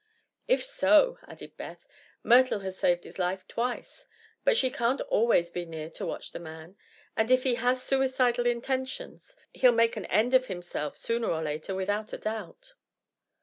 "If so," added Beth, "Myrtle has saved his life twice. But she can't be always near to watch the man, and if he has suicidal intentions, he'll make an end of himself, sooner or later, without a doubt."